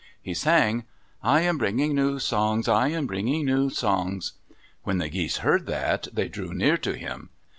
He sang, I am bringing new songs, I am bringing new songs. When the geese heard that, they drew near to him.